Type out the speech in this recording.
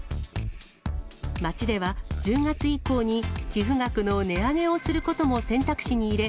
町では、１０月以降に寄付額の値上げをすることも選択肢に入れ、